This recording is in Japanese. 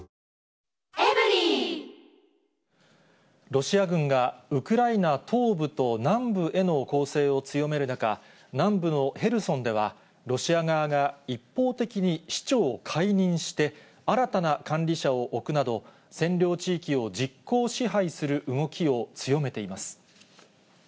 ロシア軍がウクライナ東部と南部への攻勢を強める中、南部のヘルソンでは、ロシア側が一方的に市長を解任して、新たな管理者を置くなど、占領地域を実効支配する動きを強めています。